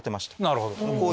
なるほど。